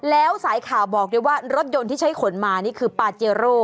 แล้วสายข่าวบอกด้วยว่ารถยนต์ที่ใช้ขนมานี่คือปาเจโร่